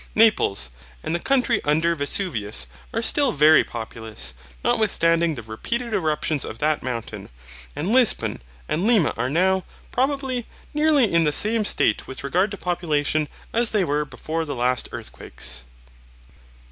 Naples, and the country under Vesuvius, are still very populous, notwithstanding the repeated eruptions of that mountain. And Lisbon and Lima are now, probably, nearly in the same state with regard to population as they were before the last earthquakes.